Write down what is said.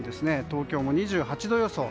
東京も２８度予想。